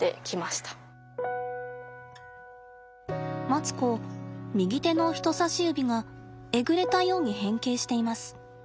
マツコ右手の人さし指がえぐれたように変形しています。